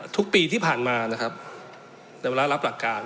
ทุกปีที่ผ่านมานะครับในเวลารับหลักการ